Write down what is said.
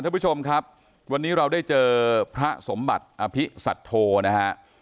ท่านผู้ชมครับวันนี้เราได้เจอพระสมบัติอภิสัตโธนะฮะ